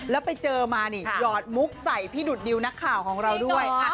แล้วไปเจอมานี่หยอดมุกใส่พี่ดุดดิวนักข่าวของเราด้วย